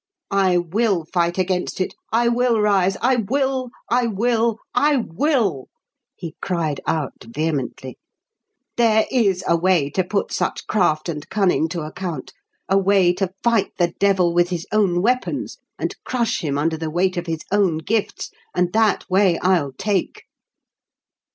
"I will fight against it! I will rise! I will! I will! I will!" he cried out vehemently. "There is a way to put such craft and cunning to account; a way to fight the devil with his own weapons and crush him under the weight of his own gifts, and that way I'll take!"